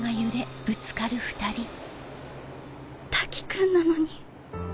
瀧くんなのに。